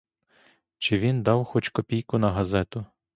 Чи він дав хоч копійку на газету?